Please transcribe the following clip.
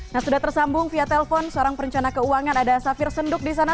nah sudah tersambung via telpon seorang perencana keuangan ada safir senduk di sana